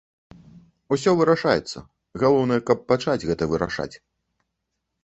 Усё вырашаецца, галоўнае, каб пачаць гэта вырашаць.